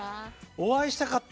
お会いしたかった。